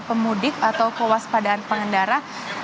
pemudik atau kewaspadaan pengendara